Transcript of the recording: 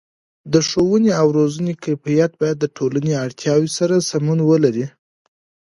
د ښوونې او روزنې کیفیت باید د ټولنې اړتیاو سره سمون ولري.